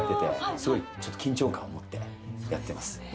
すごい緊張感を持ってやってます。